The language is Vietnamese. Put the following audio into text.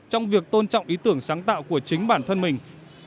trong việc tôn trọng ý tưởng sáng tạo của chính bản thân mình